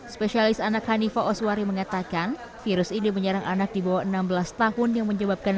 spesialis anak hanifah oswari mengatakan virus ini menyerang anak di bawah enam belas tahun yang menyebabkan